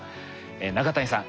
永谷さん